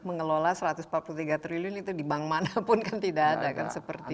mengelola satu ratus empat puluh tiga triliun itu di bank manapun kan tidak ada kan seperti